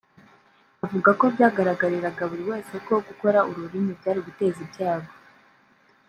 avuga ko byagaragariraga buri wese ko gukora uru rurimi byari guteza ibyago